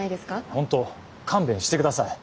本当勘弁してください。